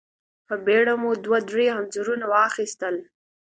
په بېړه مو دوه درې انځورونه واخيستل.